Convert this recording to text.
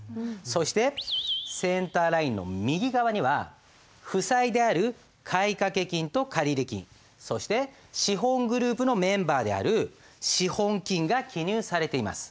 そしてセンターラインの右側には負債である買掛金と借入金そして資本グループのメンバーである資本金が記入されています。